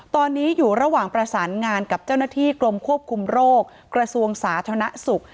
ตอนนี้อยู่ระหว่างประสานงานกับเจ้าหน้าที่กรมควบคุมโรคกระทรวงสาธารณสุข